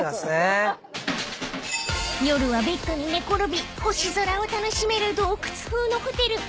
［夜はベッドに寝転び星空を楽しめる洞窟風のホテル］